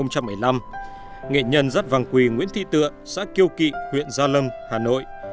năm hai nghìn một mươi năm nghệ nhân rắt vàng quỳ nguyễn thị tựa xã kiêu kỵ huyện gia lâm hà nội